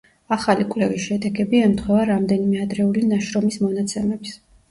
ახალი კვლევის შედეგები ემთხვევა რამდენიმე ადრეული ნაშრომის მონაცემებს.